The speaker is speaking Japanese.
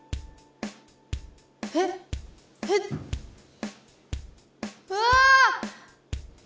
えっえっ⁉うわぁ！